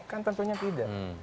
kan tentunya tidak